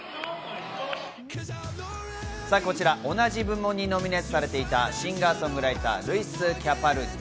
同じ部門にノミネートされていたシンガー・ソングライター、ルイス・キャパルディ。